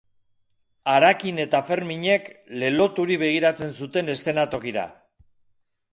Harakin eta Ferminek leloturik begiratzen zuten eszenatokira.